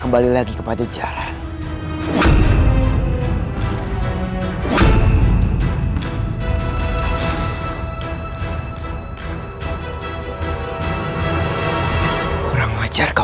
kembali lagi kepada jejarah